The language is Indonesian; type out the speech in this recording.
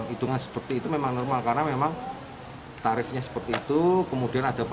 hitungan seperti itu memang normal karena memang tarifnya seperti itu kemudian ada